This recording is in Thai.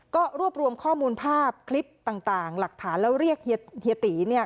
ก็รวบรวมข้อมูลภาพคลิปต่างหลักฐานแล้วเรียกเฮียตีเนี่ย